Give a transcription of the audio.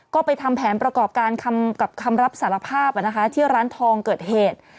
ก็ไปทำแผนประกอบการกับคำรับสารภาพที่ร้านทองเกิดเหตุ